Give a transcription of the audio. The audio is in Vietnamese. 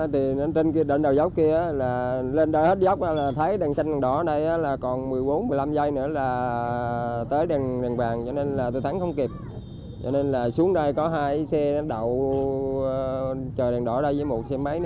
từ tháng không kịp cho nên là xuống đây có hai xe đậu chờ đèn đỏ ra với một xe máy